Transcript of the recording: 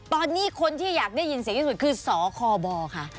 ตอนนี้คนที่อยากได้ยินเสียงที่สุดคือสคบค่ะ